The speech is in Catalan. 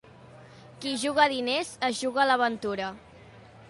Qui juga diners, es juga la ventura.